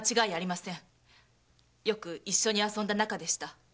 よく一緒に遊んだ仲でした。